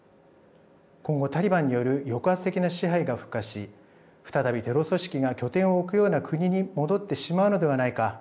今後、タリバンによる抑圧的な支配が復活し再びテロ組織が拠点を置くような国に戻ってしまうのではないか。